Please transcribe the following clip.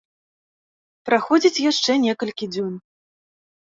Праходзіць яшчэ некалькі дзён.